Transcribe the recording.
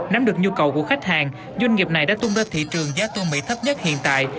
nắm được nhu cầu của khách hàng doanh nghiệp này đã tung ra thị trường giá tôm mỹ thấp nhất hiện tại